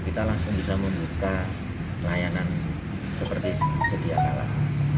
kita langsung bisa membuka layanan seperti sedia kalah